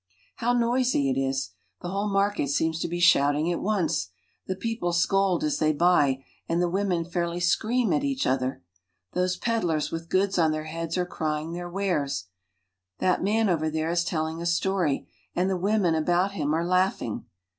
How noisy it is ! The whole market seems to be shout J ing at once. The people scold as they buy ; and the j ■Women fairly scream at each other. Those peddlers with pods on their heads are crying their wares. That man over there is telling a story, and the women about him are 1 laughing.